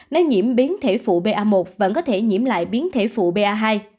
lây nhiễm biến thể phụ ba một vẫn có thể nhiễm lại biến thể phụ ba hai